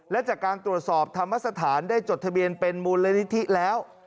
และจากการตรวจสอบธรรมสถานได้จดทะเบียนเป็นมูลนิธิแล้ว